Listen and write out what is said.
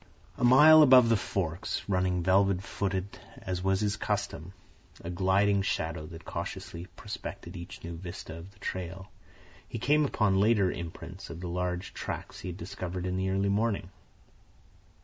A mile above the forks, running velvet footed as was his custom, a gliding shadow that cautiously prospected each new vista of the trail, he came upon later imprints of the large tracks he had discovered in the early morning.